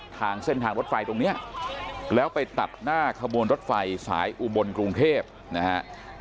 ทางเส้นทางรถไฟตรงนี้แล้วไปตัดหน้าขบวนรถไฟสายอุบลกรุงเทพนะฮะ